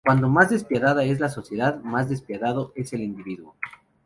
Cuando más despiadada es la sociedad, más despiadado es el individuo.